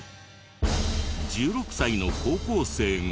１６歳の高校生が。